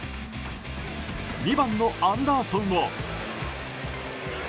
２番のアンダーソンを。